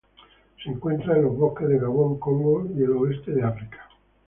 Se encuentra en los bosques de Gabón, Congo y el oeste de África.